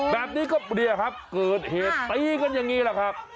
แบบนี้ก็เตรียเหตุปีกฤทธิ์กันอย่างนี้แหลอะครับ